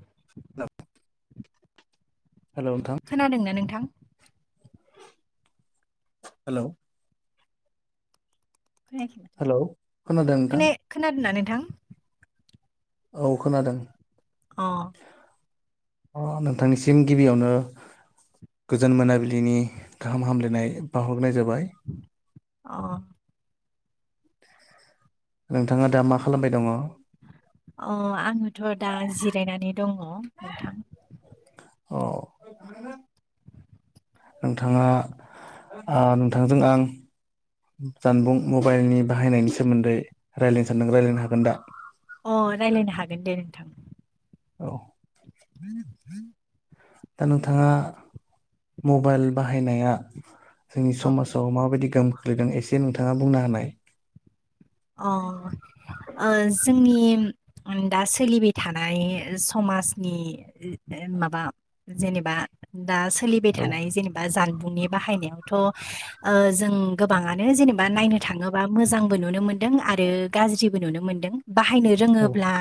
[unintelligible] हेल' नोंथां खोनादोंना नोंथां। हेलौ खोनायाखै खोनादों नोंथां खोनाय खोनादोंना नोंथां। औ खोनादों। अ अ नोंथां निसिम गिबियावनो गोजोन मोनाबिलिनि गाहाम हामलायनाय बाहर नाय जाबाय। अ नोंथाङा दा मा खालामबाय दङ। अ आङोथ' दा जिरायनानै दङ नोंथां। अ नोंथाङा आ नोंथांजों आं जानबुं मबाइलनि बाहायनायनि सोमोन्दै रायलायनो सानदों रायलायनो हागोन दा अ रायलायनो हागोन दे नोंथां। औ दा नोंथाङा मबाइल बाहायनाया जोंनि औ समाजाव माबायदि गोहोम खोख्लैदों एसे नोंथाङा बुंना हानाय। अ ओ जोंनि निम दा सोलिबाय थानाय समाजनि माबा जेनेबा दा सोलिबाय औ थानाय जेनेबा जन बुंनि बाहायनायावथ' ओ जों गोबाङनो जेनेबा नायनो थाङोबा मोजांबो नुनो मोन दों आरो गाज्रिबो नुनो मोनदों बाहायनो सोङोब्ला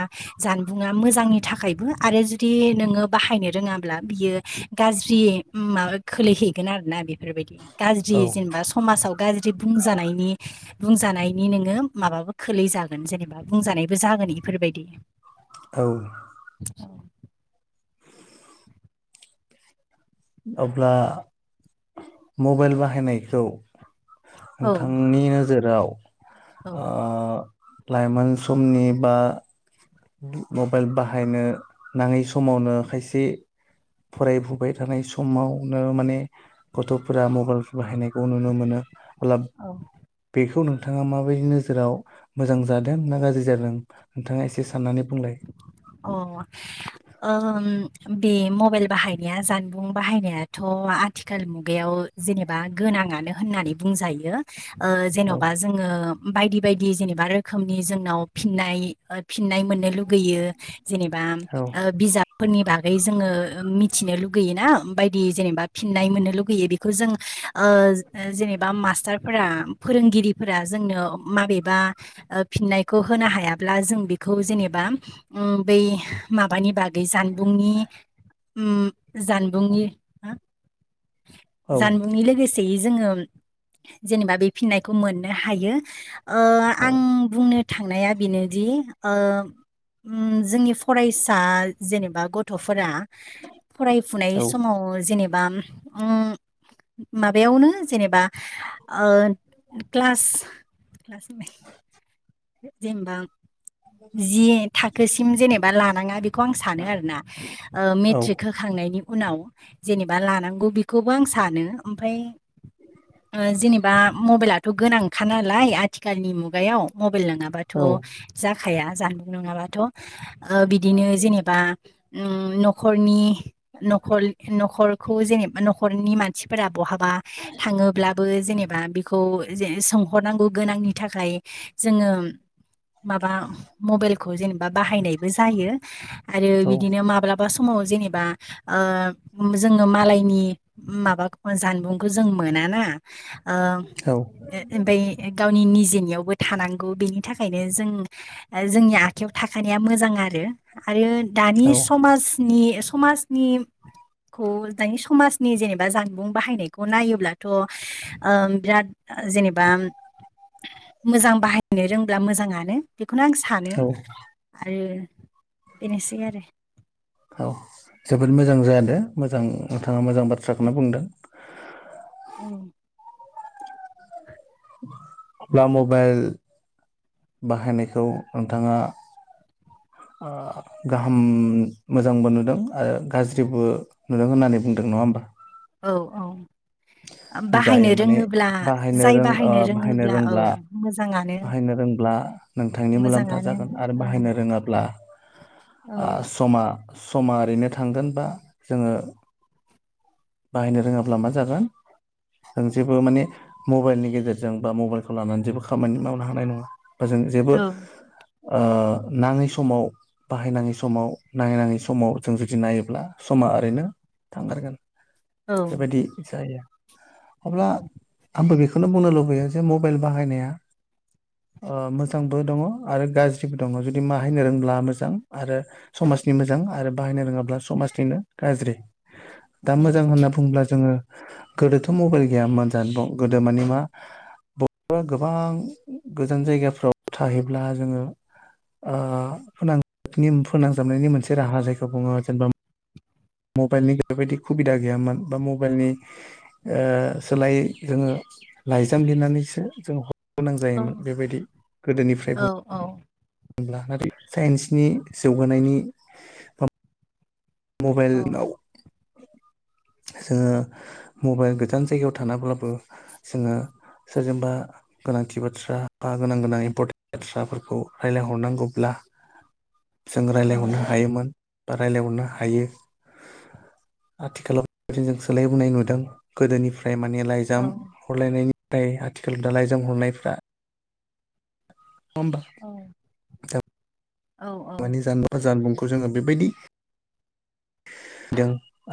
जाम बुङा मोजांनि थाखायबो आरो जुदि नोङो बाहायनो रोङाब्ला बियो गाज्रियै माबा खोलैहैगोन आरोना बेब फोरबायदि गाज्रि औ जेनेबा समाजाव गाज्रि बुंजानायनि बुंजानायनि नोङो माबाबो खोलै जागोन जेनेबा बुंजानायबो जागोन इफोरबायदि। औ अब्ला मबाइल बाहायनायखौ औ नोंथांनि नोजोराव औ ओ लाइमोन समनि बा मबाइल बाहायनो नाङै समावनो खायसे फरायफुबाय थानाय समावनो माने गथ'फोरा मबाइल बाहायनायखौ नुनो मोनो। ख्लाब औ बेखौ नों थाङा माबायदि नोजोराव मोजां जादों ना गाज्रि जादों नोंथाङा एसे साननानै बुंलाय अ ओम बे मबाइल बाहायनाया जानबुं बाहायनायाथ' आथिखाल मुगायाव जेनेबा गोनां नाङानो होननानै बुंजायो ओ‌ औ जेन'बा जोङो बायदि बायदि जेनेबा रोखोमनि जोंनाव फिनाय ओ फिनाय मोननो लुब गैयो जेनेबा औ ओ बिजाबफोरनि बाग फ्राय जोङो मिथिनो लुगैयो ना बायदि जेनेबा फिननाय मोननो लुगैयो बेखौ जों ओ जे-जेनेबा मास्टारफोरा फोरोंगिरिफोरा जोंनो माबेबा ओ फिननायखौ होनो हायाब्ला जों बेखौ जेनेबा उम बै माबानि बागै जानबुंनि उम जानबुंनि आ जानबुंनि लोगोसे जोङो जेनेबा बे फिननायखौ मोननो हायो ओ औ आं बुंनो थांनाया बेनोदि ओ उम जोंनि फरायसा जेनेबा गथ'फोरा फरायफुनाय औ समाव जेने बा उम माबायावनो जेनेबा ओ क्लास क्लास जेनेबा जि [unintelligible] थाखोसिम जेनेबा लानाङा बेखौ आं सानो आरोना ओ औ मेट्रिक होखां नायनि उनाव जेनेबा लानांगौ बेखौबो आं सानो ओमफ्राय ओ जेनेबा मबाइलाथ' गोनांखा नालाय आथि खालनि मुगायाव मबाइल नङाबाथ' औ जाखाया जानबुं नङाबा थ' ओ बिदिनो जेनेबा उम न'खरनि न'खल न' खरखौ जेनेबा न'खरनि मानसिफोरा बहाबा थाङोब्लाबो जेनेबा बेखौ जे सोंहरनांगौ गोनांनि थाखाय जोङो माबा मबाइलखौ जेनेबा बाहायनायबो जायो आरो औ बिदिनो माब्लाबा स माव जेनेबा ओ जोङो मालायनि माबा जानबुंखौ जों मोना ना ओ औ ओमफाय गावनि नि जिनियावबो थानांगौ बेनि थाखायनो जों जोंनि आ खायाव थाखानाया मोजां आरो आरो दानि समाजनि समाजनि खौ दानि समाजनि जेनेबा जानबुं बाहायनायखौ नायोब्लाथ' ओ बिराद जेनेबा मोजां बाहायनो रोंब्ला मोजाङानो बेखौनो आं सानो औ आरो बेनोसै आरो औ जोबोद मोजां जादो मोजां नोंथाङा मोजां बाथ्राखौनो बुंदों। [inaudible] औ ब्ला मबाइल बाहायनायखौ नोंथाङा [inaudible] ओ गाहाम मोजांबो नुदों आरो गाज्रिबो नुदों होननानै बुंदों नङा होमबा? औ औ जायो बाहायनो माने रोङोब्ला बाहायनो जाय रों ओ बाहायनो रोङोब्ला औ रोंब्ला मोजां बाहायनो रोंब्ला नोंथांनि मुलाम्फा मोजाङानो जागोन आरो औ बाहायनो रोङाब्ला औ ओ समा समा ओरैनो थांगोन बा जोङो बाहायनो रोङाब्ला मा जागोन जों जेबो माने मबाइलनि गेजेरजों बा मबाइलखौ लानानै जेबो खामानि मावनो हानाय नङा। ओजों जेबो औ ओ नाङै समाव बाहायनाङै समाव नाडै नाङै समाव जों जुदि नायोब्ला समा ओरैनो थांगारगोन। औ बेबायदि जायो औ अब्ला आंबो बे खौनो बुंनो लुबैयो जे मबाइल बाहायनाया ओ मोजांबो दङ आरो गाज्रिबो दङ जुदि माहायनो रोंब्ला मोजां आरो स माजनि मोजां आरो बाहायनो रोङाब्ला समाजनिनो गाज्रि दा औ मोजां होनना बुङोब्ला जोङो गोदोथ' मबाइल गैयामोन जानबुं गोदो माने मा बर'फोरा गोबां गोजान जायगाफ्राव थाहैब्ला जोङो ओ फोनांजाबनि फोनांजाबनायनि मोनसे राहा जायखौ बुङो जेनेबा मबाइलनि बेबायदि खुबिदा गैयामोन बा मबाइलनि ओ सोलायै जोङो लाइजाम लिरनानैसो जों हरनो गोनां औ जायोमोन बेबायदि औ गोदोनिफ्राय बुं होनब्ला नाथाय साइन्सनि जौगानायनि मबाइल औ लाव जोङो मबाइल गोजान जायगायाव थानाब्लाबो जोङो सोरजोंबा गोनांथि बाथ्रा बा गोनां गोनां इम्पर्टेन्ट बाथ्राफोरखौ रायजलायहरनांगौब्ला जों औ रायज्लायहरनो हायोमोन बा रायजलायहरनो हा हायो आथिखालाव बे जों सोलाय बुनाय नुदों गोदोनिफ्राय फ्राय माने लाइजाम हरलायनायनिफ्राय आथिखाल दा लाइजाम हरनायफ्रा होमबा औ [inaudible] खौ जोङो बेबायदि दों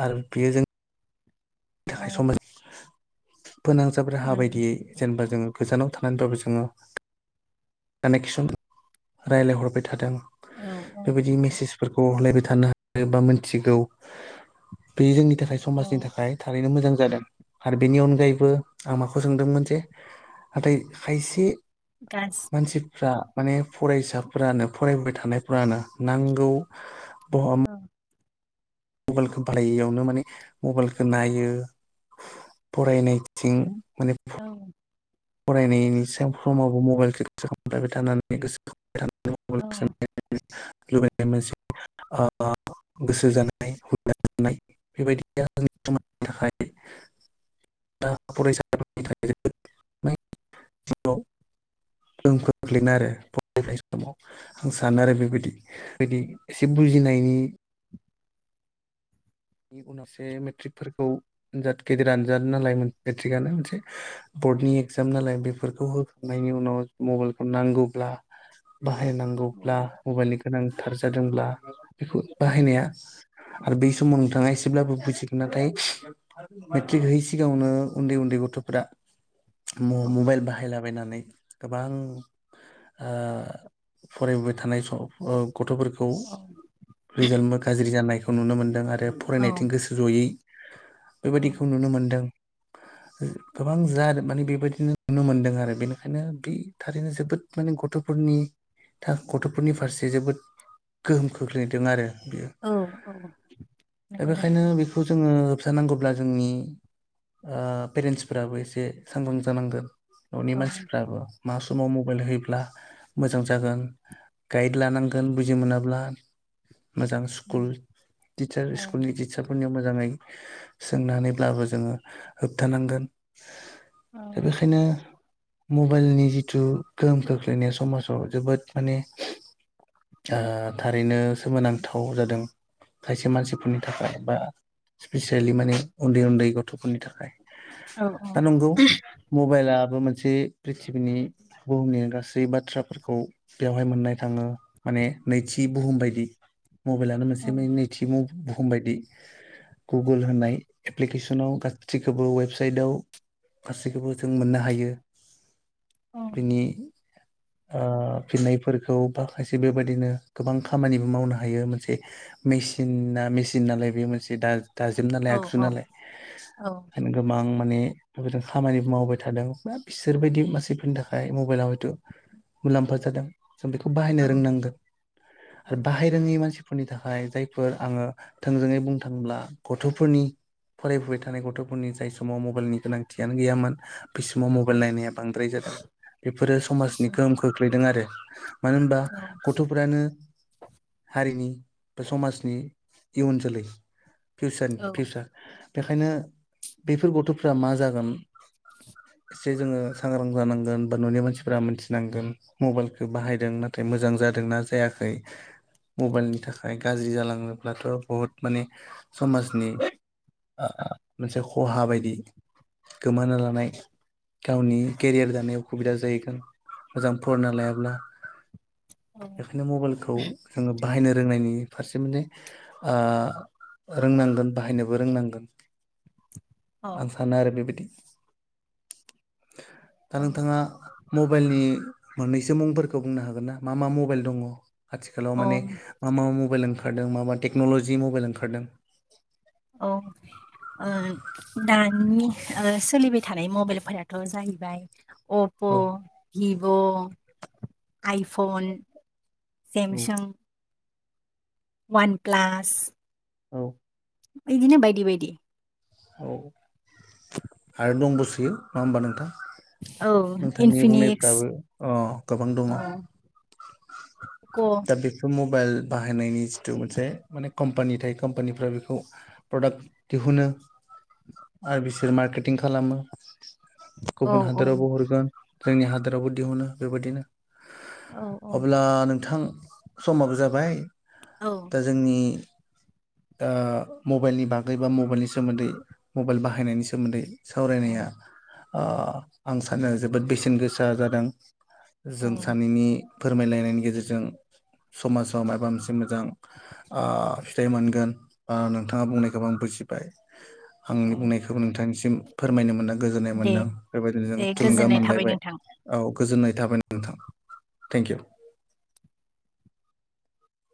आरो बेयो जों थाखाय समाज फोनांजाब राहा उम बायदियै जेनेबा जोङो गोजानाव थानानैब्लाबो जोङो कानेकसन राय्लायहरबाय थादों औ औ बेबायदि मेसेजफोरखौ हलायबाय थानो हायो बा मिथिगौ बे जोंनि थाखाय औ समाजनि थाखाय ओरैनो मोजां जादों आरो बेनि अनगायैबो आं माखौ सोंदोंमोन जे नाथाय खायसे गास फ्रा माने फरायसाफोरानो फरायबाय थानायफोरानो नांगौ बहम औ मबाइलखौ बाहायैयावनो माने मबाइलखौ नायो फरायनायथिं माने औ फरायनायनि समावबो मबाइल खालामबायबाय थानानै गोसो औ [inaudible] [inaudible] [inaudible] [inaudible] आं सानो आरो बेबायदि बेदि एसे बुजिनायनि बेनि उनावससो मेट्रिकफोरखौ आनजाद गेदिर आनजाद नालाय मेट्रिकआनो मोनसे बर्डनि एगजाम नालाय बेफोरखौ होखांनायनि उनाव मबाइलखौ नांगौब्ला औ बाहायनांगौब्ला मबाइलनि गोनांथार जादोंब्ला बेखौ औ बाहायनाया आरो बै समाव नोंथाङा एसेब्लाबो बुजिगोन नाथाय मेट्रिक होयै सिगाङावनो उन्दै उन्दै गथ'फोरा म- औ मबाइल बाहायला थाबायनानै गोबां आ फरायबाय थानाय सम गथ'फोरखौ रिजाल्टबो गाज्रि जानायखौ नुनो मोनदों आरो आरो फरायनायथिं औ गोसो जयै औ बेबायाददिखौ नुनो मोनदों गोबां जा माने बेबायदिनो नुनो मोनदों आरो बेनिखायनो बे थारैनो जोबोद माने गथ' फोरनि था गथ'फोरनि फारसे जोबोद गोहोम खोख्लैदों आरो बियो औ औ दा नंगौ बेखायनो नोंथां बेखौ जोङो फिसा नांगौब्ला जोंनि अ पेरेन्टसफोराबो एसे सांग्रां जानांगोन न'नि औ मानसिफ्राबो मा समाव मबाइल होयोब्ला मोजां जागोन गाइड लानांगोन बुजि मोनाब्ला मोजां स्कुल उम तिसार औ स्कुल नि तिसारफोरनि मोजाङै सोंनानैब्लाबो जोङो होबथानांगोन औ दा बेखायनो मबाइलनि जिथु गोहोम खोख्लैनाया समाजाव जोबोद माने आ थारैनो सोमोनांथाव जादों खायसे मानसिफोरनि थाखाय बा स्पिसियेलि माने उन्दै उन्दै गथ'फोरनि थाखाय औ दा नंगौ मबाइला मोनसे प्रिथिनि बुहुमनि गासै बाथ्राफोरखौ बेवहाय मोननाय थाङो माने नैथि बुहुम बायदि मबाइलनो औ मोनसे नैथि बुहुम बायदि गुगोल होननाय एप्लिकेसनाव गाैखौबो वेबसाइटआव गासैखौबो जों मोननो हायो औ बिनि ओ फिननायफोरखौ बाखासे बेबायदिनो गोबां खामानिबो मावनो हायो मोनसे मेसिन मेसिनना मेसिननालाय बे मोनसे दा दाजोब औ नालाय आगजु नालाय औ ओंखायनो गोबां माने बे खामानि मावबाय थादों बिसोरबायदि मानसिफोरनि थाखाय मबाइलाव हयथु मुलाम्फा जादों जों बेखौ औ बाहायनो रोंनांगोन औ आरो बाहाय रोङि मानसिफोरनि थाखाय जाय फोर आङो थोंजोङै बुंनो थाङोब्ला गथ'फोरनि फरायबोबाय थानाय गथ'फोरनि जाय समाव मबाइलनि गोनांथियानो गैयामोन बिसिमाव मबाइल नाया बांद्राय जादों बेफोरो समाजनि गोहोम खोख्लैदों आरो मानो होनबा औ गथ'फोरानो हारिनि बा समाज इयुन जोलै फिउसारनि फिउसार बेखायनो बेफोर गथ'फ्रा मा जागोन एसे जोङो सांग्रां जानांगोन बा न'नि मानसिफोरा मोनथिनांगोन मबाइलखौ बाहायदों नाथाय मोजां जादोंना जायाखै मबाइलनि थाखाय गाज्रि जलां थाङोब्लाथ' बुहुत माने समाजनि ओ मोनसे खहा बायदि गोमानो लानाय गावनि केरियार दानाय उसुबिदा जाहैगोन मोजां फरायना लायाब्ला। बेखायनो मबाइलखौ जोङो बाहायनो रोंनायनि फारसे माने ओ रोंनांगोन बाहायनोबो रोंनांगोन औ आं सानो आरो बेबायदि दा नोंथांङा मबाइलनि मोननैसो मुंफोरखौ बुंनो हागोन ना मा मा मबाइल दङ आथिखालाव माने मा मा मबाइल ओंखारदों मा मा टेक्न'लजि मबाइल ओंखारदों। औ ओ दानि ओ सोलिबाय थानाय मबाइलफोराथ' जाहैबाय अप' औ भिभ' आइफन, सेमसां वान प्लास औ बिदिनो बायदि बायदि औ आरो दंबोसयो नङा होमबा नोंथां? औ नोंथांनि इनफिनिक्स बुंनायफ्राबो अ गोबां दङ औ क' औ दा बेखौमु मबाइल बाहायनायनि जिथु मोनसे माने कम्पानि थायो कम्पानिफ्रा बेखौ प्रडाक्ट दिहुनो आरो बिसोर मार्केटिं खालाम औ गुबुन औ हादोरावबो हरगोन जोंनि हादोरावबो दिहुनो बेबायदिनो औ अब्ला नोंथां समाबो जाबाय औ दा जोंनि ओ मबाइलनि बागै बा मबाइलनि सोमोन्दै मबाइल बाहायनायनि सोमोन्दै सावरायनाया ओ आं सानो जोबोद बेसेन गोसा जादों औ जों सानैनि फोरमायलायनायनि गेजेरजों समाजाव माबा मोनसे मोजां ओ फिथाइ मोनगोन ओ नोंथाङा बुंनायखौ आं बुजिबाय। [unintelligible] [inaudible] आंनि औ बुंनायखौबो नोंथांनिसिम फोरमायनो मोना गोजोननाय दे मोन्दों बेबायदिनो जों दे थुलुंगा गोजोननाय थाबाय मोनलायबाय नोंथां औ गोजोननाय थाबाय नोंथां, थेंकिउ।